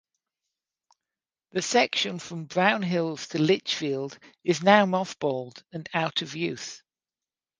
The section from Brownhills to Lichfield is now mothballed and out of use.